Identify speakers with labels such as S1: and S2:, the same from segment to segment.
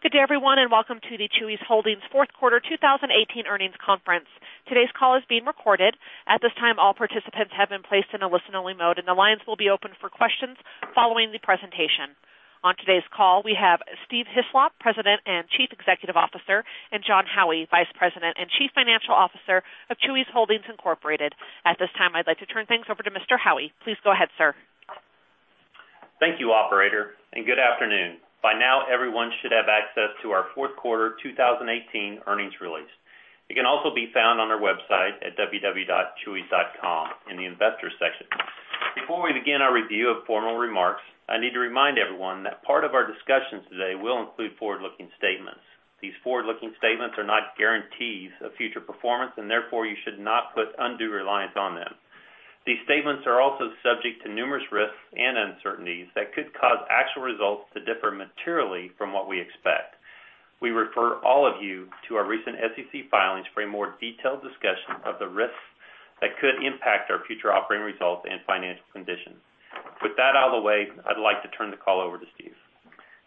S1: Good day everyone, welcome to the Chuy's Holdings fourth quarter 2018 earnings conference. Today's call is being recorded. At this time, all participants have been placed in a listen only mode, and the lines will be open for questions following the presentation. On today's call, we have Steve Hislop, President and Chief Executive Officer, and Jon Howie, Vice President and Chief Financial Officer of Chuy's Holdings Incorporated. At this time, I'd like to turn things over to Mr. Howie. Please go ahead, sir.
S2: Thank you, operator, good afternoon. By now, everyone should have access to our fourth quarter 2018 earnings release. It can also be found on our website at www.chuys.com in the Investors section. Before we begin our review of formal remarks, I need to remind everyone that part of our discussions today will include forward-looking statements. These forward-looking statements are not guarantees of future performance, therefore, you should not put undue reliance on them. These statements are also subject to numerous risks and uncertainties that could cause actual results to differ materially from what we expect. We refer all of you to our recent SEC filings for a more detailed discussion of the risks that could impact our future operating results and financial conditions. With that out of the way, I'd like to turn the call over to Steve.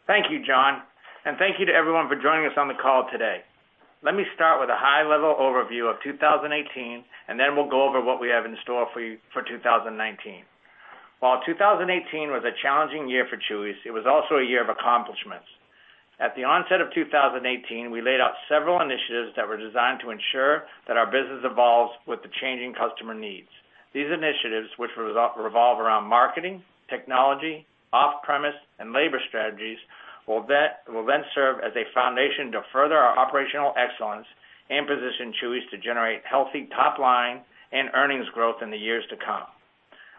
S3: Thank you, Jon, thank you to everyone for joining us on the call today. Let me start with a high-level overview of 2018, then we'll go over what we have in store for you for 2019. While 2018 was a challenging year for Chuy's, it was also a year of accomplishments. At the onset of 2018, we laid out several initiatives that were designed to ensure that our business evolves with the changing customer needs. These initiatives, which revolve around marketing, technology, off-premise, and labor strategies, will then serve as a foundation to further our operational excellence and position Chuy's to generate healthy top line and earnings growth in the years to come.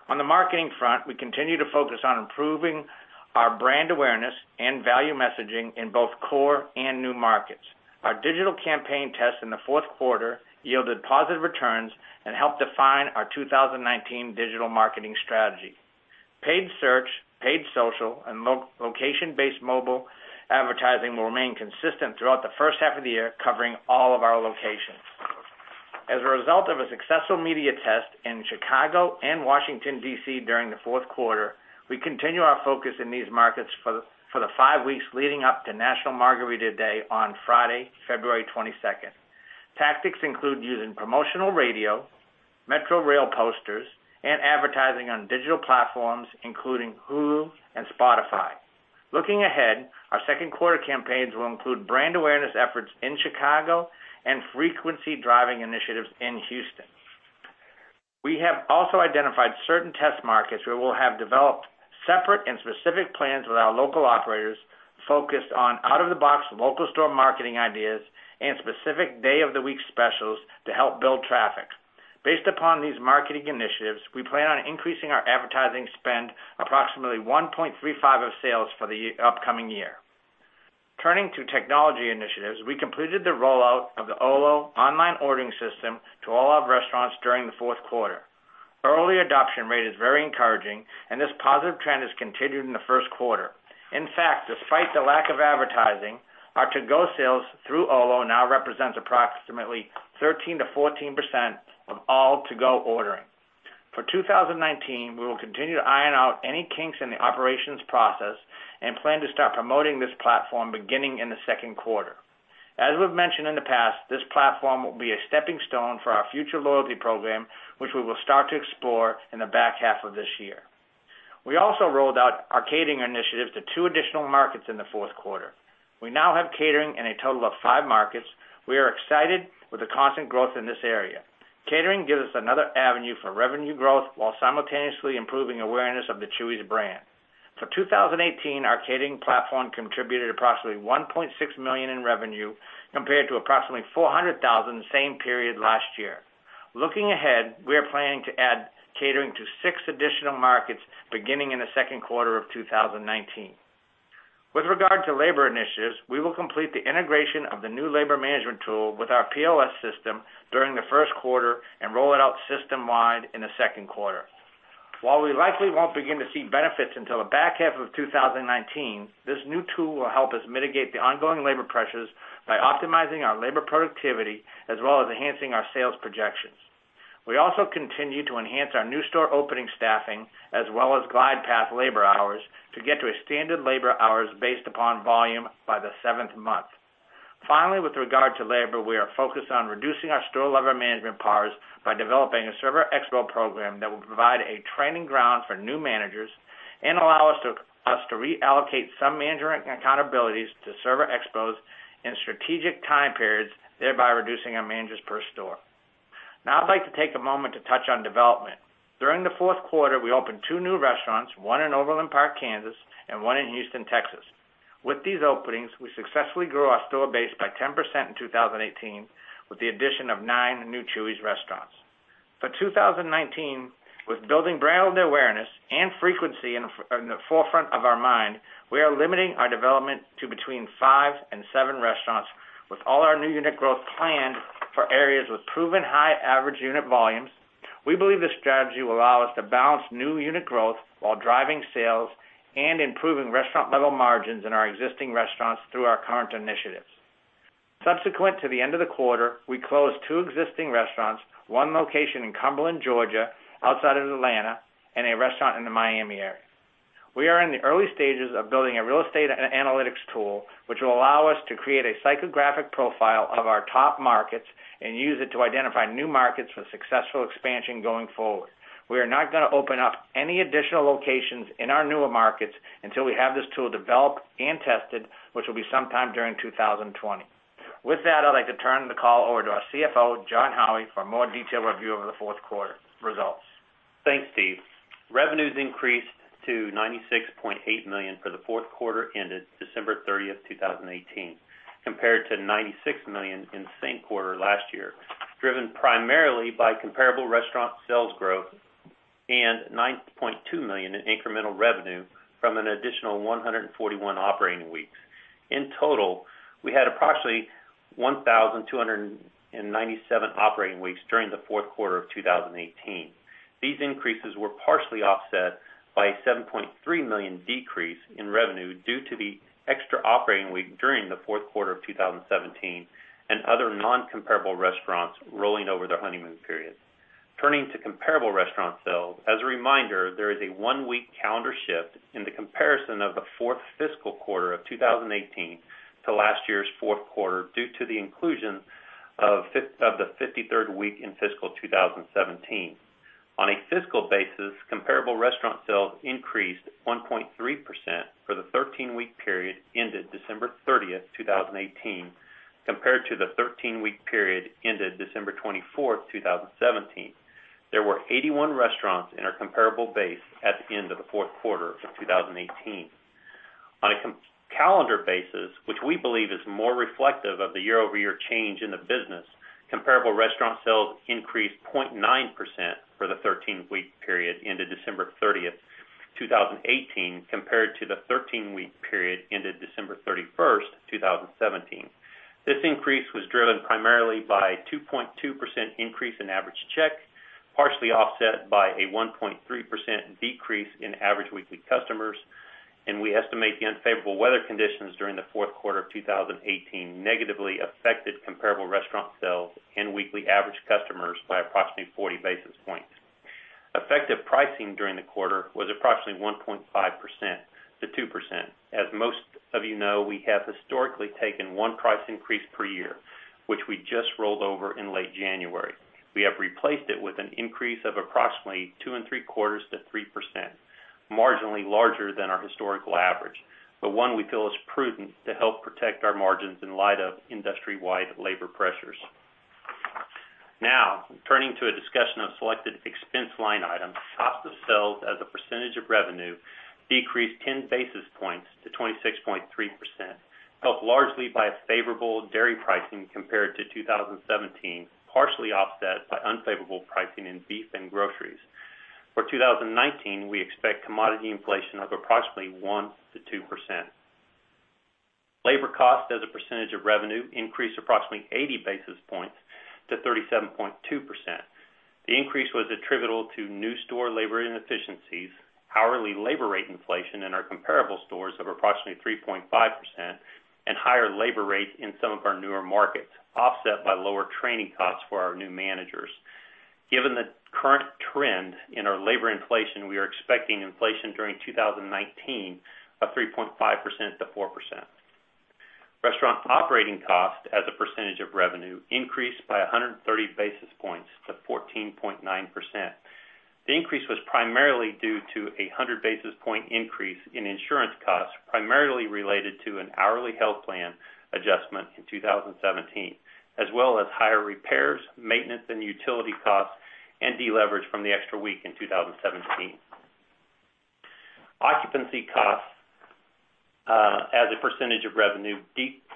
S3: On the marketing front, we continue to focus on improving our brand awareness and value messaging in both core and new markets. Our digital campaign tests in the fourth quarter yielded positive returns and helped define our 2019 digital marketing strategy. Paid search, paid social, and location-based mobile advertising will remain consistent throughout the first half of the year, covering all of our locations. As a result of a successful media test in Chicago and Washington, D.C. during the fourth quarter, we continue our focus in these markets for the five weeks leading up to National Margarita Day on Friday, February 22nd. Tactics include using promotional radio, metro rail posters, and advertising on digital platforms, including Hulu and Spotify. Looking ahead, our second quarter campaigns will include brand awareness efforts in Chicago and frequency driving initiatives in Houston. We have also identified certain test markets where we'll have developed separate and specific plans with our local operators focused on out of the box local store marketing ideas and specific day of the week specials to help build traffic. Based upon these marketing initiatives, we plan on increasing our advertising spend approximately 1.35% of sales for the upcoming year. Turning to technology initiatives, we completed the rollout of the Olo online ordering system to all of our restaurants during the fourth quarter. Early adoption rate is very encouraging, and this positive trend has continued in the first quarter. In fact, despite the lack of advertising, our to-go sales through Olo now represents approximately 13%-14% of all to-go ordering. For 2019, we will continue to iron out any kinks in the operations process and plan to start promoting this platform beginning in the second quarter. As we've mentioned in the past, this platform will be a stepping stone for our future loyalty program, which we will start to explore in the back half of this year. We also rolled out our catering initiatives to two additional markets in the fourth quarter. We now have catering in a total of five markets. We are excited with the constant growth in this area. Catering gives us another avenue for revenue growth while simultaneously improving awareness of the Chuy's brand. For 2018, our catering platform contributed approximately $1.6 million in revenue compared to approximately $400,000 the same period last year. Looking ahead, we are planning to add catering to six additional markets beginning in the second quarter of 2019. With regard to labor initiatives, we will complete the integration of the new labor management tool with our POS system during the first quarter and roll it out system-wide in the second quarter. While we likely won't begin to see benefits until the back half of 2019, this new tool will help us mitigate the ongoing labor pressures by optimizing our labor productivity as well as enhancing our sales projections. We also continue to enhance our new store opening staffing as well as glide path labor hours to get to a standard labor hours based upon volume by the seventh month. Finally, with regard to labor, we are focused on reducing our store labor management powers by developing a server expo program that will provide a training ground for new managers and allow us to reallocate some management accountabilities to server expos in strategic time periods, thereby reducing our managers per store. Now, I'd like to take a moment to touch on development. During the fourth quarter, we opened two new restaurants, one in Overland Park, Kansas, and one in Houston, Texas. With these openings, we successfully grew our store base by 10% in 2018 with the addition of nine new Chuy's restaurants. For 2019, with building brand awareness and frequency in the forefront of our mind, we are limiting our development to between five and seven restaurants with all our new unit growth planned for areas with proven high average unit volumes. We believe this strategy will allow us to balance new unit growth while driving sales and improving restaurant level margins in our existing restaurants through our current initiatives. Subsequent to the end of the quarter, we closed 2 existing restaurants, one location in Cumberland, Georgia, outside of Atlanta, and a restaurant in the Miami area. We are in the early stages of building a real estate analytics tool, which will allow us to create a psychographic profile of our top markets, and use it to identify new markets for successful expansion going forward. We are not going to open up any additional locations in our newer markets until we have this tool developed and tested, which will be sometime during 2020. With that, I'd like to turn the call over to our CFO, Jon Howie, for a more detailed review of the fourth quarter results.
S2: Thanks, Steve. Revenues increased to $96.8 million for the fourth quarter ended December 30th, 2018, compared to $96 million in the same quarter last year, driven primarily by comparable restaurant sales growth and $9.2 million in incremental revenue from an additional 141 operating weeks. In total, we had approximately 1,297 operating weeks during the fourth quarter of 2018. These increases were partially offset by a $7.3 million decrease in revenue due to the extra operating week during the fourth quarter of 2017, and other non-comparable restaurants rolling over their honeymoon period. Turning to comparable restaurant sales, as a reminder, there is a one-week calendar shift in the comparison of the fourth fiscal quarter of 2018 to last year's fourth quarter due to the inclusion of the 53rd week in fiscal 2017. On a fiscal basis, comparable restaurant sales increased 1.3% for the 13-week period ended December 30th, 2018, compared to the 13-week period ended December 24th, 2017. There were 81 restaurants in our comparable base at the end of the fourth quarter of 2018. On a calendar basis, which we believe is more reflective of the year-over-year change in the business, comparable restaurant sales increased 0.9% for the 13-week period ended December 30th, 2018, compared to the 13-week period ended December 31st, 2017. This increase was driven primarily by a 2.2% increase in average check, partially offset by a 1.3% decrease in average weekly customers, and we estimate the unfavorable weather conditions during the fourth quarter of 2018 negatively affected comparable restaurant sales and weekly average customers by approximately 40 basis points. Effective pricing during the quarter was approximately 1.5%-2%. As most of you know, we have historically taken one price increase per year, which we just rolled over in late January. We have replaced it with an increase of approximately 2.75%-3%, marginally larger than our historical average, but one we feel is prudent to help protect our margins in light of industry-wide labor pressures. Turning to a discussion of selected expense line items. Cost of sales as a percentage of revenue decreased 10 basis points to 26.3%, helped largely by a favorable dairy pricing compared to 2017, partially offset by unfavorable pricing in beef and groceries. For 2019, we expect commodity inflation of approximately 1%-2%. Labor cost as a percentage of revenue increased approximately 80 basis points to 37.2%. The increase was attributable to new store labor inefficiencies, hourly labor rate inflation in our comparable stores of approximately 3.5%, and higher labor rate in some of our newer markets, offset by lower training costs for our new managers. Given the current trend in our labor inflation, we are expecting inflation during 2019 of 3.5%-4%. Restaurant operating cost as a percentage of revenue increased by 130 basis points to 14.9%. The increase was primarily due to a 100 basis point increase in insurance costs, primarily related to an hourly health plan adjustment in 2017, as well as higher repairs, maintenance, and utility costs, and deleverage from the extra week in 2017. Occupancy costs as a percentage of revenue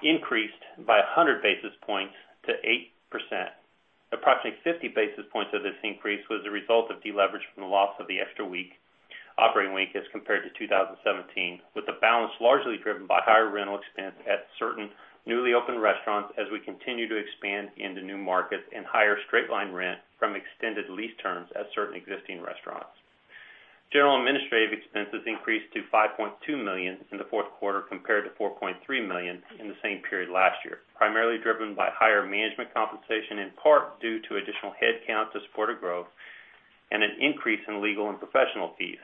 S2: increased by 100 basis points to 8%. Approximately 50 basis points of this increase was a result of deleverage from the loss of the extra operating week as compared to 2017, with the balance largely driven by higher rental expense at certain newly opened restaurants as we continue to expand into new markets and higher straight-line rent from extended lease terms at certain existing restaurants. General administrative expenses increased to $5.2 million in the fourth quarter compared to $4.3 million in the same period last year, primarily driven by higher management compensation, in part due to additional headcounts to support a growth, and an increase in legal and professional fees.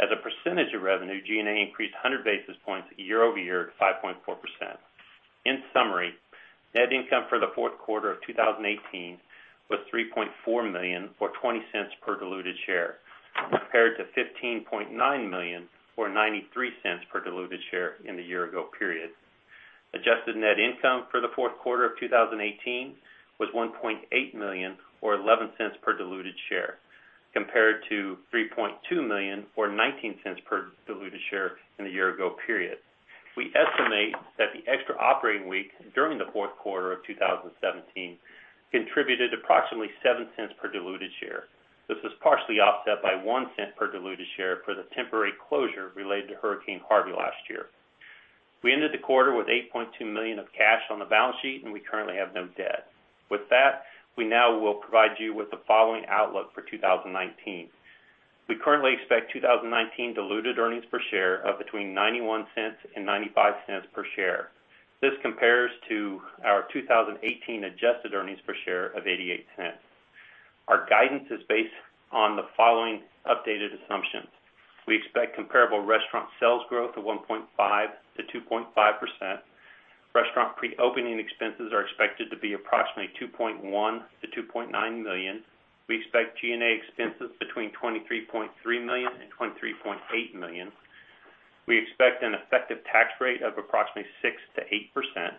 S2: As a percentage of revenue, G&A increased 100 basis points year-over-year to 5.4%. In summary, net income for the fourth quarter of 2018 was $3.4 million, or $0.20 per diluted share, compared to $15.9 million, or $0.93 per diluted share, in the year ago period. Adjusted net income for the fourth quarter of 2018 was $1.8 million, or $0.11 per diluted share, compared to $3.2 million, or $0.19 per diluted share, in the year ago period. We estimate that the extra operating week during the fourth quarter of 2017 contributed approximately $0.07 per diluted share. This was partially offset by $0.01 per diluted share for the temporary closure related to Hurricane Harvey last year. We ended the quarter with $8.2 million of cash on the balance sheet, and we currently have no debt. With that, we now will provide you with the following outlook for 2019. We currently expect 2019 diluted earnings per share of between $0.91 and $0.95 per share. This compares to our 2018 adjusted earnings per share of $0.88. Our guidance is based on the following updated assumptions. We expect comparable restaurant sales growth of 1.5%-2.5%. Restaurant pre-opening expenses are expected to be approximately $2.1 million-$2.9 million. We expect G&A expenses between $23.3 million and $23.8 million. We expect an effective tax rate of approximately 6%-8%.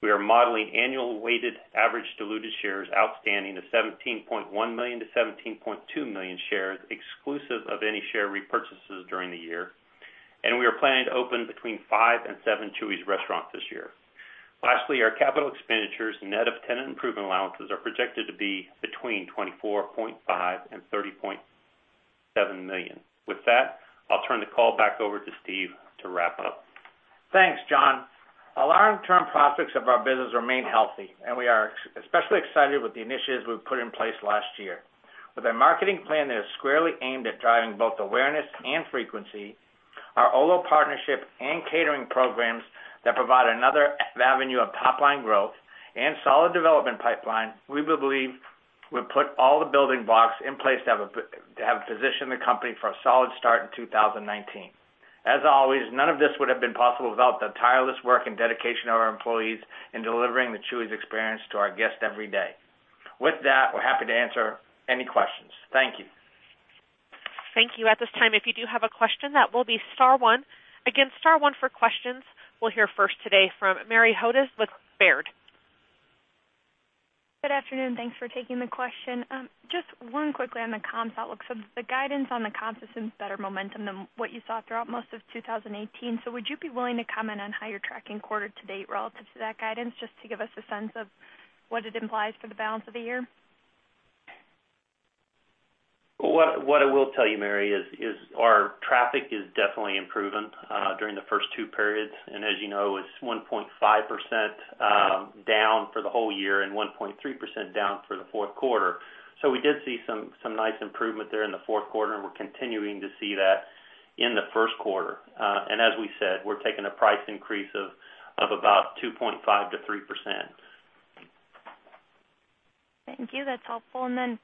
S2: We are modeling annual weighted average diluted shares outstanding of 17.1 million-17.2 million shares, exclusive of any share repurchases during the year. We are planning to open between five and seven Chuy's restaurants this year. Lastly, our capital expenditures, net of tenant improvement allowances, are projected to be between $24.5 million and $30.7 million. With that, I'll turn the call back over to Steve to wrap up.
S3: Thanks, Jon. Our long-term prospects of our business remain healthy. We're especially excited with the initiatives we've put in place last year. With a marketing plan that is squarely aimed at driving both awareness and frequency, our Olo partnership and catering programs that provide another avenue of top-line growth, solid development pipeline, we believe we put all the building blocks in place to have positioned the company for a solid start in 2019. As always, none of this would've been possible without the tireless work and dedication of our employees in delivering the Chuy's experience to our guests every day. With that, we're happy to answer any questions. Thank you.
S1: Thank you. At this time, if you do have a question, that will be star one. Again, star one for questions. We'll hear first today from Mary Hodes with Baird.
S4: Good afternoon, thanks for taking the question. Just one quickly on the comps outlook. The guidance on the comps is some better momentum than what you saw throughout most of 2018. Would you be willing to comment on how you're tracking quarter to date relative to that guidance, just to give us a sense of what it implies for the balance of the year?
S2: What I will tell you, Mary, is our traffic is definitely improving during the first 2 periods. As you know, it's 1.5% down for the whole year and 1.3% down for the fourth quarter. We did see some nice improvement there in the fourth quarter, and we're continuing to see that in the first quarter. As we said, we're taking a price increase of about 2.5% to 3%.
S4: Thank you. That's helpful. Then,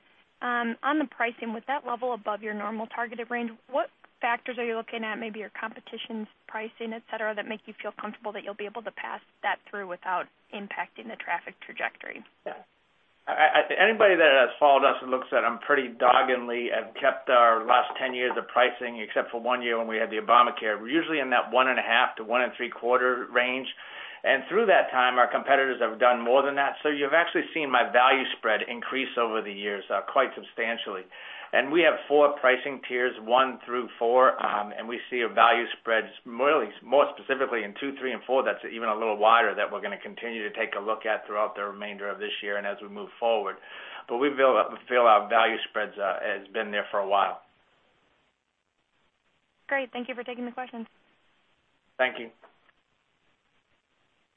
S4: on the pricing, with that level above your normal targeted range, what factors are you looking at, maybe your competition's pricing, et cetera, that make you feel comfortable that you'll be able to pass that through without impacting the traffic trajectory?
S3: Yeah. Anybody that has followed us and looks at them pretty doggedly have kept our last 10 years of pricing except for one year when we had the Obamacare. We're usually in that one and a half to one and three quarter range. Through that time, our competitors have done more than that. You've actually seen my value spread increase over the years quite substantially. We have four pricing tiers, one through four, and we see a value spread more specifically in two, three, and four that's even a little wider that we're going to continue to take a look at throughout the remainder of this year and as we move forward. We feel our value spreads has been there for a while.
S4: Great. Thank you for taking the questions.
S3: Thank you.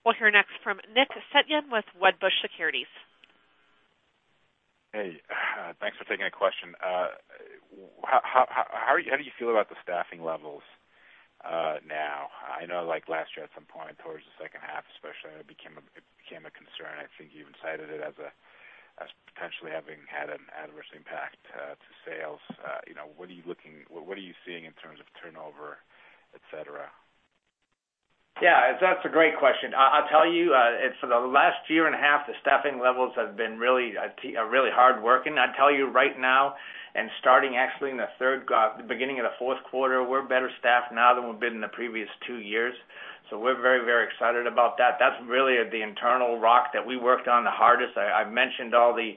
S1: We'll hear next from Nick Setyan with Wedbush Securities.
S5: Hey, thanks for taking a question. How do you feel about the staffing levels now? I know last year at some point, towards the second half especially, it became a concern. I think you even cited it as potentially having had an adverse impact to sales. What are you seeing in terms of turnover, et cetera?
S3: Yeah, that's a great question. I'll tell you, for the last year and a half, the staffing levels have been really hardworking. I'll tell you right now and starting actually in the beginning of the fourth quarter, we're better staffed now than we've been in the previous two years. We're very excited about that. That's really the internal rock that we worked on the hardest. I've mentioned all the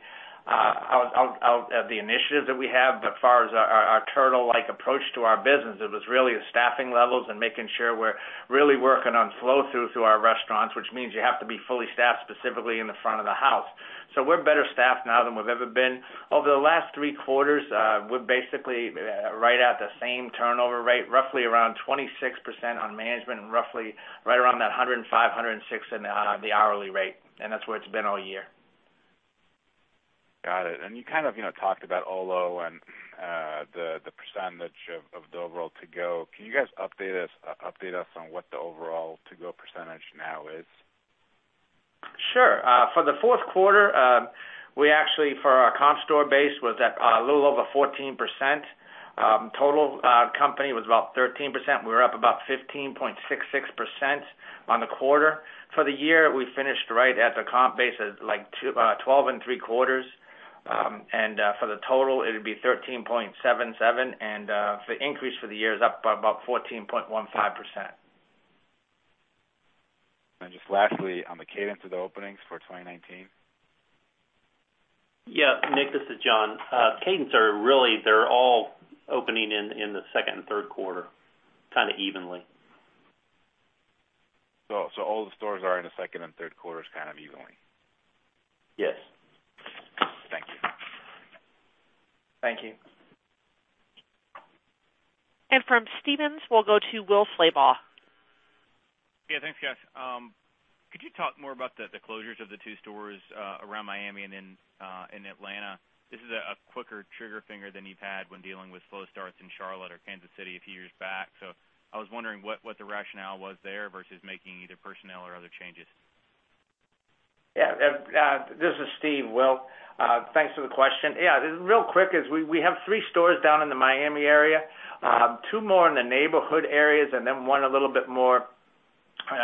S3: initiatives that we have, but as far as our turtle-like approach to our business, it was really the staffing levels and making sure we're really working on flow through to our restaurants, which means you have to be fully staffed, specifically in the front of the house. We're better staffed now than we've ever been. Over the last three quarters, we're basically right at the same turnover rate, roughly around 26% on management and roughly right around that 105, 106 in the hourly rate. That's where it's been all year.
S5: Got it. You kind of talked about Olo and the percentage of the overall to-go. Can you guys update us on what the overall to-go percentage now is?
S3: Sure. For the fourth quarter, we actually, for our comp store base, was at a little over 14%. Total company was about 13%. We were up about 15.66% on the quarter. For the year, we finished right at the comp base at 12 and three quarters. For the total, it would be 13.77%, and the increase for the year is up by about 14.15%.
S5: Just lastly, on the cadence of the openings for 2019?
S2: Yeah. Nick, this is Jon. Cadence are really, they're all opening in the second and third quarter kind of evenly.
S5: All the stores are in the second and third quarters kind of evenly?
S2: Yes. Thank you.
S1: From Stephens, we'll go to Will Slabaugh.
S6: Yeah. Thanks, guys. Could you talk more about the closures of the two stores around Miami and in Atlanta? This is a quicker trigger finger than you've had when dealing with slow starts in Charlotte or Kansas City a few years back. I was wondering what the rationale was there versus making either personnel or other changes.
S3: Yeah. This is Steve. Will, thanks for the question. Real quick is, we have three stores down in the Miami area, two more in the neighborhood areas, and then one a little bit more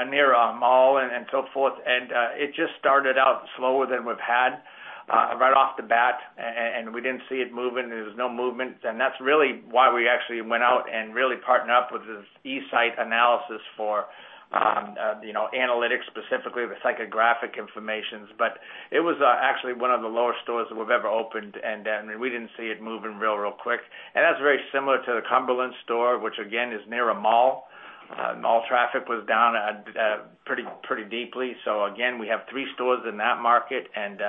S3: near a mall and so forth. It just started out slower than we've had right off the bat, and we didn't see it moving. There was no movement. That's really why we actually went out and really partnered up with this eSite Analytics, specifically the psychographic informations. It was actually one of the lower stores that we've ever opened, and we didn't see it moving real quick. That's very similar to the Cumberland store, which again, is near a mall. Mall traffic was down pretty deeply. Again, we have three stores in that market and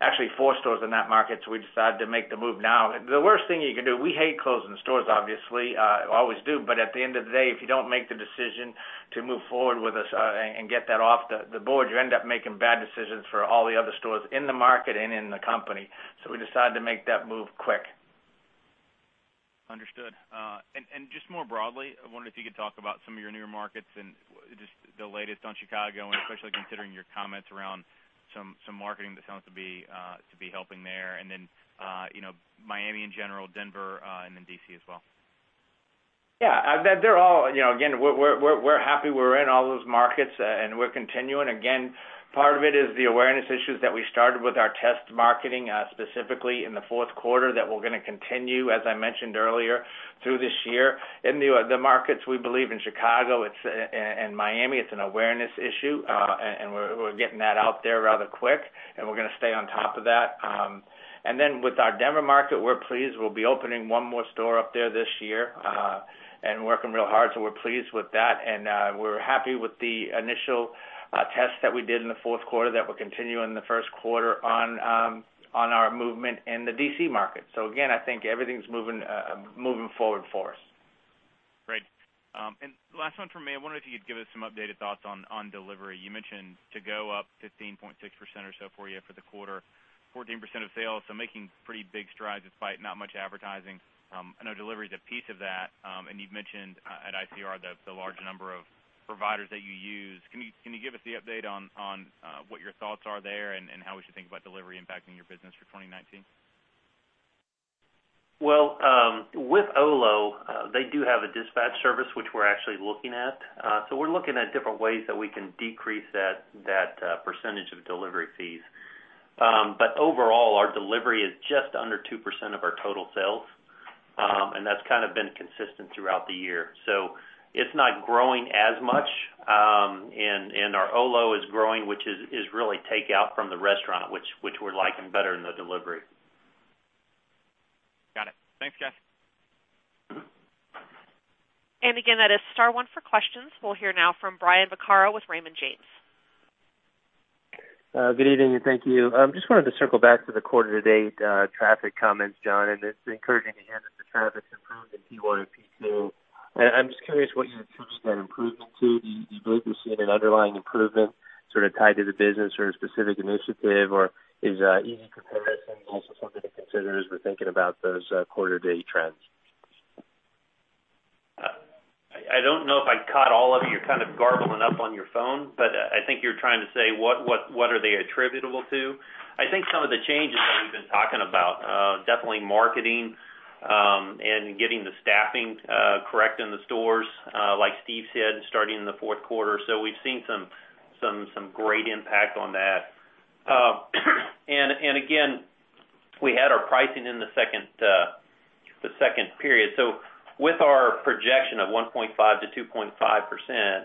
S3: actually four stores in that market, we decided to make the move now. The worst thing you can do, we hate closing stores, obviously, always do. At the end of the day, if you don't make the decision to move forward with us and get that off the board, you end up making bad decisions for all the other stores in the market and in the company. We decided to make that move quick.
S6: Understood. Just more broadly, I wondered if you could talk about some of your newer markets and just the latest on Chicago and especially considering your comments around some marketing that seems to be helping there. Then, Miami in general, Denver, and then D.C. as well.
S3: Yeah. Again, we're happy we're in all those markets, and we're continuing. Again, part of it is the awareness issues that we started with our test marketing, specifically in the fourth quarter, that we're going to continue, as I mentioned earlier, through this year. In the markets, we believe in Chicago and Miami, it's an awareness issue. We're getting that out there rather quick, and we're going to stay on top of that. Then with our Denver market, we're pleased. We'll be opening one more store up there this year, and working real hard, so we're pleased with that. We're happy with the initial tests that we did in the fourth quarter that will continue in the first quarter on our movement in the D.C. market. Again, I think everything's moving forward for us.
S6: Last one from me. I wondered if you could give us some updated thoughts on delivery. You mentioned to go up 15.6% or so for you for the quarter, 14% of sales, so making pretty big strides despite not much advertising. I know delivery is a piece of that. You've mentioned, at ICR, the large number of providers that you use. Can you give us the update on what your thoughts are there and how we should think about delivery impacting your business for 2019?
S2: Well, with Olo, they do have a dispatch service, which we're actually looking at. We're looking at different ways that we can decrease that percentage of delivery fees. Overall, our delivery is just under 2% of our total sales, and that's kind of been consistent throughout the year. It's not growing as much. Our Olo is growing, which is really takeout from the restaurant, which we're liking better than the delivery.
S6: Got it. Thanks, guys.
S1: Again, that is star one for questions. We'll hear now from Brian Vaccaro with Raymond James.
S7: Good evening, and thank you. Just wanted to circle back to the quarter to date traffic comments, Jon, it's encouraging to hear that the traffic's improved in P1 and P2. I'm just curious what you attribute that improvement to. Do you believe we've seen an underlying improvement sort of tied to the business or a specific initiative, is easy comparison also something to consider as we're thinking about those quarter date trends?
S2: I don't know if I caught all of it. You're kind of garbling up on your phone, I think you're trying to say, what are they attributable to? I think some of the changes that we've been talking about, definitely marketing, and getting the staffing correct in the stores, like Steve said, starting in the fourth quarter. We've seen some great impact on that. Again, we had our pricing in the second period. With our projection of 1.5%-2.5%,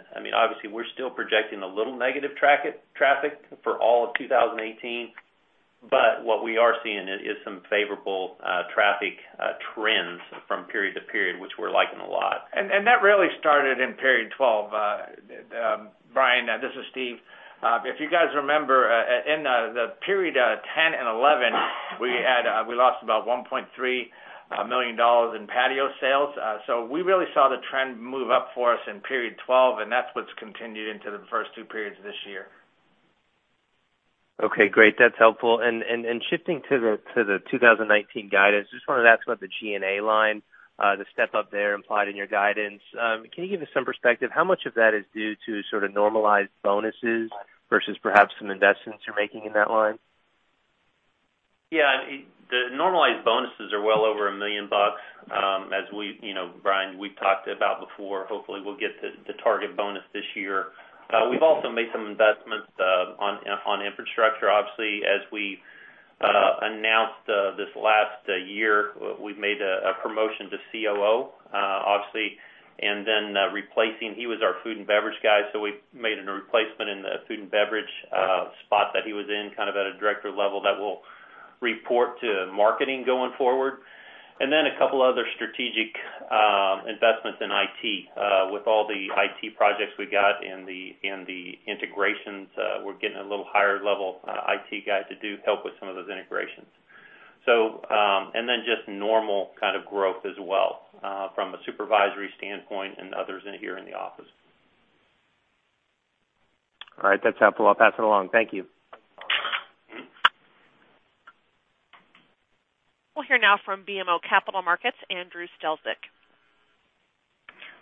S2: obviously, we're still projecting a little negative traffic for all of 2018. What we are seeing is some favorable traffic trends from period to period, which we're liking a lot.
S3: That really started in period 12. Brian, this is Steve. If you guys remember, in the period 10 and 11, we lost about $1.3 million in patio sales. We really saw the trend move up for us in period 12, and that's what's continued into the first two periods of this year.
S7: Okay, great. That's helpful. Shifting to the 2019 guidance, just wanted to ask about the G&A line, the step up there implied in your guidance. Can you give us some perspective how much of that is due to sort of normalized bonuses versus perhaps some investments you're making in that line?
S2: Yeah. The normalized bonuses are well over $1 million. As, Brian, we've talked about before, hopefully, we'll get to target bonus this year. We've also made some investments on infrastructure. Obviously, as we announced this last year, we've made a promotion to COO, obviously, and then replacing, he was our food and beverage guy, so we made a replacement in the food and beverage spot that he was in, kind of at a director level that will report to marketing going forward. A couple other strategic investments in IT. With all the IT projects we got in the integrations, we're getting a little higher level of IT guys to do help with some of those integrations. Just normal kind of growth as well from a supervisory standpoint and others in here in the office.
S7: All right. That's helpful. I'll pass it along. Thank you.
S1: We'll hear now from BMO Capital Markets, Andrew Strelzik.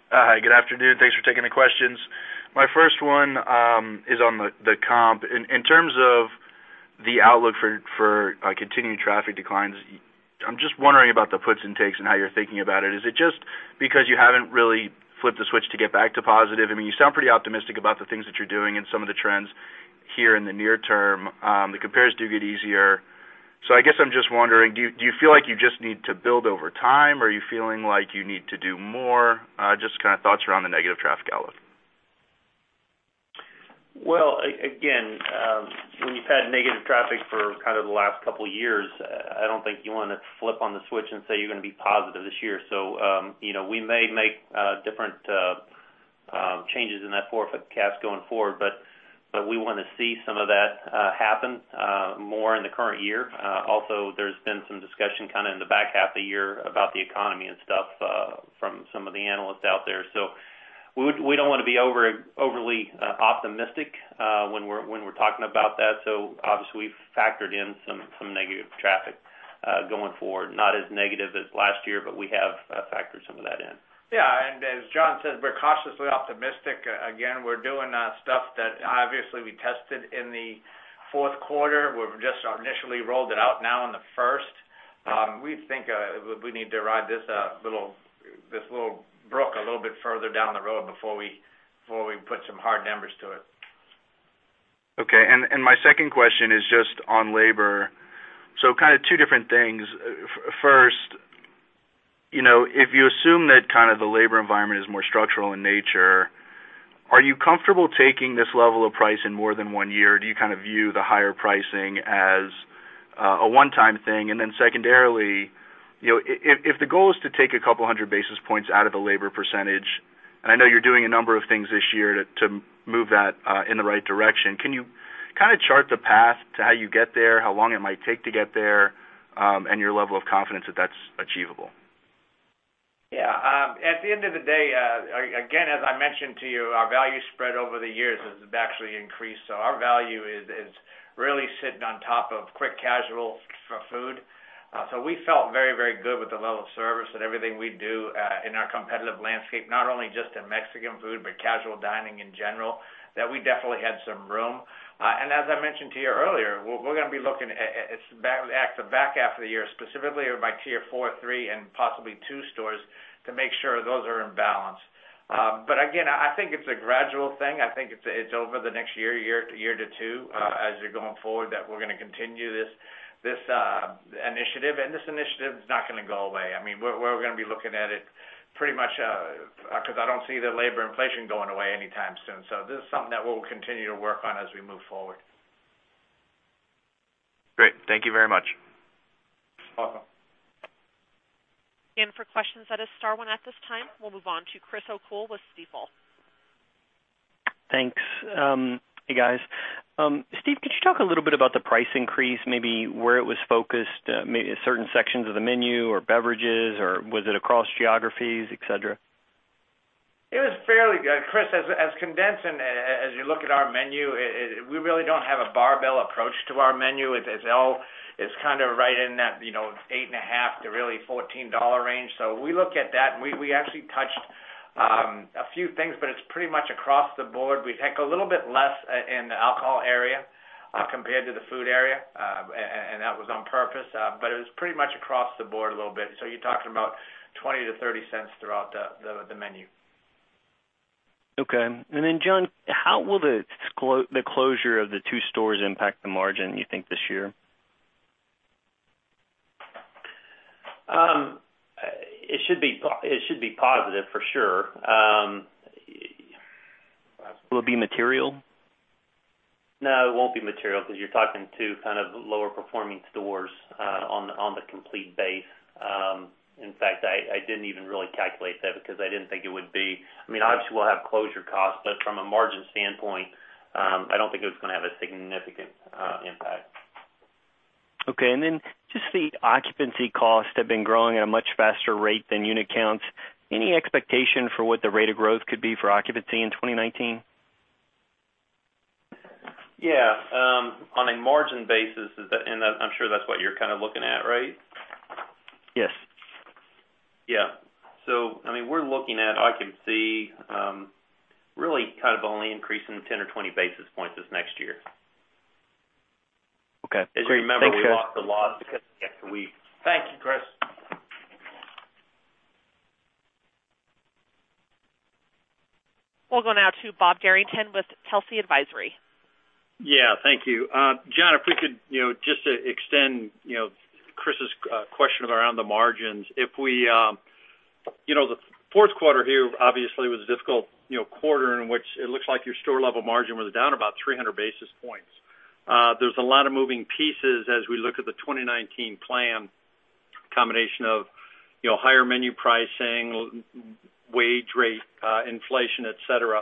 S8: Hi, good afternoon. Thanks for taking the questions. My first one is on the comp. In terms of the outlook for continuing traffic declines, I'm just wondering about the puts and takes and how you're thinking about it. Is it just because you haven't really flipped the switch to get back to positive? You sound pretty optimistic about the things that you're doing and some of the trends here in the near term. The compares do get easier. I guess I'm just wondering, do you feel like you just need to build over time, or are you feeling like you need to do more? Just kind of thoughts around the negative traffic outlook.
S2: When you've had negative traffic for kind of the last couple of years, I don't think you want to flip on the switch and say you're going to be positive this year. We may make different changes in that for forecast going forward, but we want to see some of that happen more in the current year. There's been some discussion kind of in the back half of the year about the economy and stuff from some of the analysts out there. We don't want to be overly optimistic when we're talking about that. Obviously, we've factored in some negative traffic going forward. Not as negative as last year, but we have factored some of that in.
S3: Yeah. As Jon said, we're cautiously optimistic. Again, we're doing stuff that obviously we tested in the fourth quarter. We've just initially rolled it out now in the first. We think we need to ride this little brook a little bit further down the road before we put some hard numbers to it.
S8: Okay. My second question is just on labor. Kind of two different things. First, if you assume that kind of the labor environment is more structural in nature, are you comfortable taking this level of price in more than one year, or do you kind of view the higher pricing as a one-time thing? Secondarily, if the goal is to take a couple of hundred basis points out of the labor percentage, and I know you're doing a number of things this year to move that in the right direction, can you kind of chart the path to how you get there, how long it might take to get there, and your level of confidence that that's achievable?
S3: Yeah. At the end of the day, again, as I mentioned to you, our value spread over the years has actually increased. Our value is really sitting on top of quick casual for food. We felt very, very good with the level of service and everything we do in our competitive landscape, not only just in Mexican food, but casual dining in general, that we definitely had some room. As I mentioned to you earlier, we're going to be looking at the back half of the year, specifically by Tier four, three, and possibly two stores to make sure those are in balance. Again, I think it's a gradual thing. I think it's over the next year to two as you're going forward that we're going to continue this initiative, and this initiative is not going to go away. We're going to be looking at it pretty much because I don't see the labor inflation going away anytime soon. This is something that we'll continue to work on as we move forward.
S8: Great. Thank you very much.
S3: Welcome.
S1: For questions that is star one at this time. We'll move on to Chris O'Cull with Stifel.
S9: Thanks. Hey, guys. Steve, could you talk a little bit about the price increase, maybe where it was focused, maybe certain sections of the menu or beverages, or was it across geographies, et cetera?
S3: It was Chris, as condensed and as you look at our menu, we really don't have a barbell approach to our menu. It's all, it's kind of right in that $8.50-$14 range. We look at that, we actually touched a few things, but it's pretty much across the board. We take a little bit less in the alcohol area compared to the food area, and that was on purpose. It was pretty much across the board a little bit. You're talking about $0.20-$0.30 throughout the menu.
S9: Okay. Jon, how will the closure of the two stores impact the margin, you think, this year?
S2: It should be positive, for sure.
S9: Will it be material?
S2: No, it won't be material because you're talking two kind of lower performing stores on the complete base. In fact, I didn't even really calculate that because I didn't think it would be. Obviously, we'll have closure costs, but from a margin standpoint, I don't think it was going to have a significant impact.
S9: Okay. Just the occupancy costs have been growing at a much faster rate than unit counts. Any expectation for what the rate of growth could be for occupancy in 2019?
S2: Yeah. On a margin basis, I'm sure that's what you're kind of looking at, right?
S9: Yes.
S2: Yeah. We're looking at occupancy really kind of only increasing 10 or 20 basis points this next year.
S9: Okay. Great. Thanks, guys.
S2: As you remember, we lost a lot because we.
S3: Thank you, Chris.
S1: We'll go now to Bob Derrington with Telsey Advisory.
S10: Yeah, thank you. Jon, if we could just to extend Chris's question around the margins, the fourth quarter here obviously was a difficult quarter in which it looks like your store level margin was down about 300 basis points. There is a lot of moving pieces as we look at the 2019 plan, combination of higher menu pricing, wage rate inflation, et cetera.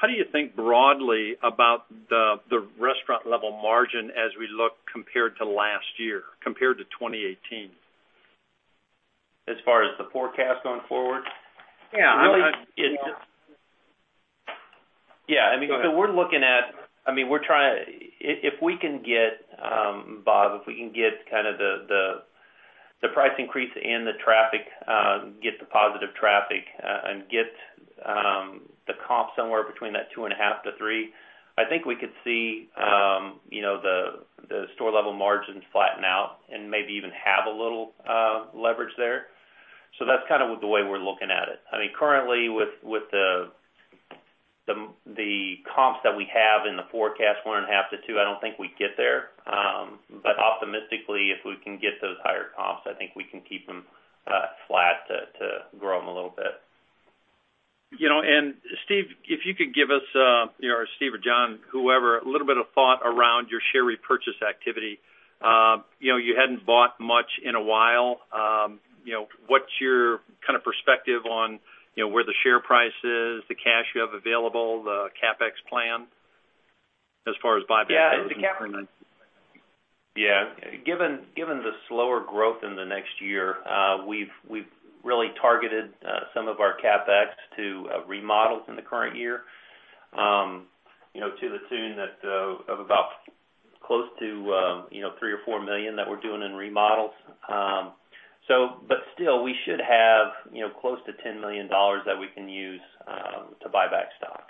S10: How do you think broadly about the restaurant level margin as we look compared to last year, compared to 2018?
S2: As far as the forecast going forward?
S10: Yeah.
S2: Yeah. If we can get, Bob, the price increase and the traffic, get the positive traffic, and get the comp somewhere between that 2.5%-3%, I think we could see the store level margins flatten out and maybe even have a little leverage there. That is kind of the way we are looking at it. Currently, with the comps that we have in the forecast, 1.5%-2%, I do not think we would get there. Optimistically, if we can get those higher comps, I think we can keep them flat to grow them a little bit.
S10: Steve, if you could give us, Steve or Jon, whoever, a little bit of thought around your share repurchase activity. You had not bought much in a while. What is your perspective on where the share price is, the cash you have available, the CapEx plan as far as buyback goes?
S2: Yeah. Given the slower growth in the next year, we've really targeted some of our CapEx to remodels in the current year, to the tune of about close to $3 million or $4 million that we're doing in remodels. Still, we should have close to $10 million that we can use to buy back stock.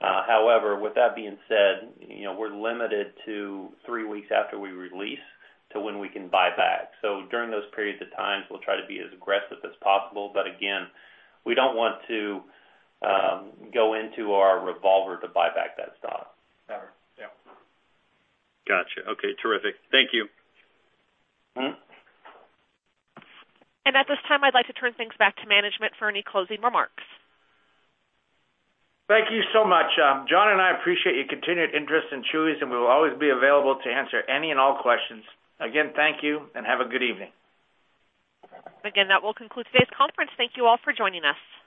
S2: However, with that being said, we're limited to three weeks after we release to when we can buy back. During those periods of times, we'll try to be as aggressive as possible, but again, we don't want to go into our revolver to buy back that stock.
S10: Got you. Okay, terrific. Thank you.
S1: At this time, I'd like to turn things back to management for any closing remarks.
S3: Thank you so much. Jon and I appreciate your continued interest in Chuy's, and we will always be available to answer any and all questions. Again, thank you, and have a good evening.
S1: That will conclude today's conference. Thank you all for joining us.